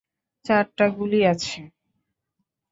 চারটা গুলি আছে।